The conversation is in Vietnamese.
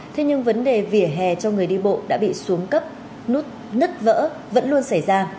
thế nhưng vấn đề vỉa hè cho người đi bộ đã bị xuống cấp nứt vỡ vẫn luôn xảy ra